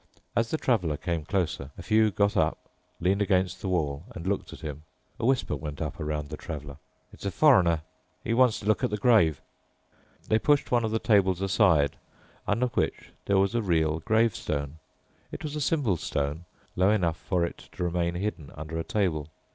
As the Traveler came closer, a few got up, leaned against the wall, and looked at him. A whisper went up around the Traveler—"It's a foreigner. He wants to look at the grave." They pushed one of the tables aside, under which there was a real grave stone. It was a simple stone, low enough for it to remain hidden under a table.